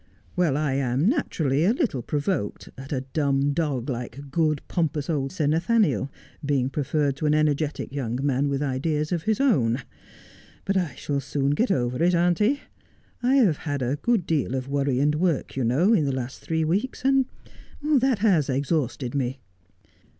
' Well, I am naturally a little provoked at a dumb dog like good pompous old Sir Nathaniel being preferred to an energetic young man with ideas of his own. But I shall soon get over it, auntie. I have had a good deal of worry and work, you know, in the last three weeks, and that has exhausted me.'